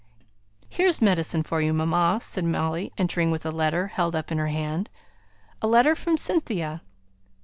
"Here's medicine for you, mamma," said Molly, entering with a letter held up in her hand. "A letter from Cynthia."